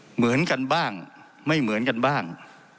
เหมือนกันบ้างไม่เหมือนกันบ้าง